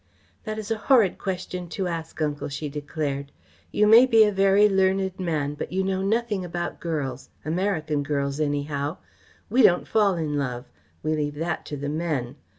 "That is a horrid question to ask, Uncle," she declared. "You may be a very learned man, but you know nothing about girls American girls, anyhow. We don't fall in love. We leave that to the men.